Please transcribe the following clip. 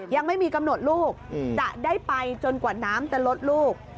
ยังไม่มีกำหนดลูกจะได้ไปจนกว่าน้ำจะลดลูก